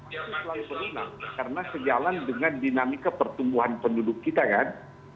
itu selalu berwenang karena sejalan dengan dinamika pertumbuhan penduduk kita kan